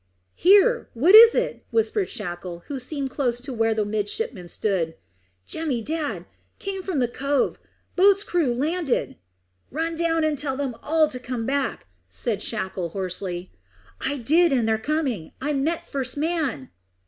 "Here. What is it?" whispered Shackle, who seemed close to where the midshipman stood. "Jemmy Dadd came from the cove. Boat's crew landed." "Run down and tell them all to come back," said Shackle hoarsely. "I did, and they're coming. I met first man."